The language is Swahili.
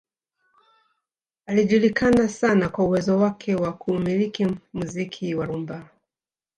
Alijulikana sana kwa uwezo wake wa kuumiliki muziki wa rumba